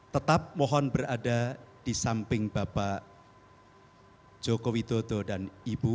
tetap mohon berada di samping bapak joko widodo dan ibu